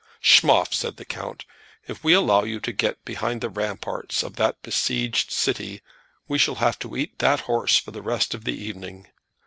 "Schmoff," said the count, "if we allow you to get behind the ramparts of that besieged city, we shall have to eat that horse for the rest of the evening.